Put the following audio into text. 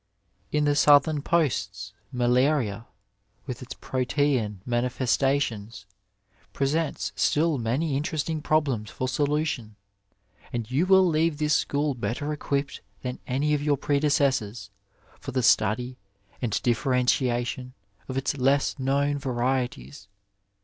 In the Southern posts malaria with its protean mani festations presents stiU many interesting problems for solution, and you will leave this school better equipped than any of your predecessors for the study and differen tiation of its less known varieties.